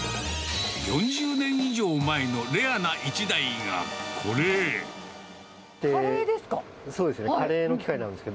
４０年以上前のレアな１台がカレーですか？